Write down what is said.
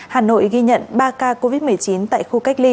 hà nội ghi nhận ba ca covid một mươi chín tại khu cách ly